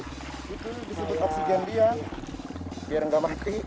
itu ditutup oksigen dia biar nggak mati